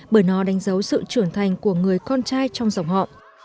bởi nó đánh dấu sự trưởng thành của người con trai trong dòng họ